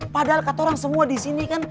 padahal kata orang semua di sini kan